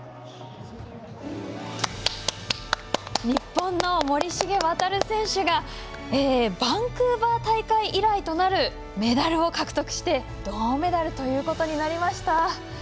日本の森重航選手がバンクーバー大会以来となるメダルを獲得して銅メダルということになりました。